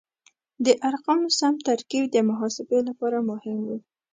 د ارقامو سم ترکیب د محاسبې لپاره مهم و.